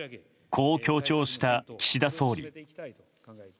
こう強調した岸田総理。